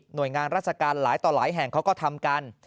โดยงานราชการหลายต่อหลายแห่งเขาก็ทำกัน